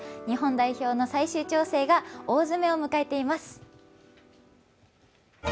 日本代表の最終調整が大詰めを迎えています。